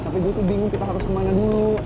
tapi gue tuh bingung kita harus kemana dulu